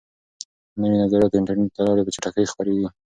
نوي نظریات د انټرنیټ له لارې په چټکۍ خپریږي.